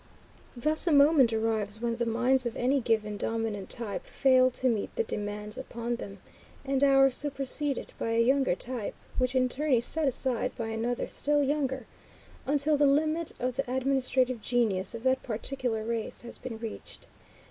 Thus a moment arrives when the minds of any given dominant type fail to meet the demands made upon them, and are superseded by a younger type, which in turn is set aside by another still younger, until the limit of the administrative genius of that particular race has been reached.